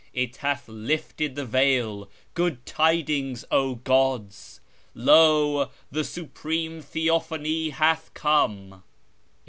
It hath lifted the veil : good tidings, 0 gods ! Lo, the Supreme Theophany hath come